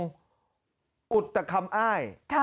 กุฏกรรมอ้าย